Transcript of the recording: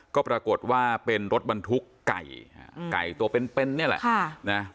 ก็ปรากฏว่าเป็นรถบรรทุกไก่ไก่ตัวเป็นเป็นนี่แหละ